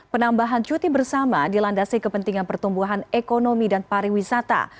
penambahan cuti bersama dilandasi kepentingan pertumbuhan ekonomi dan pariwisata